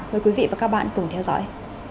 mời quý vị và các bạn cùng theo dõi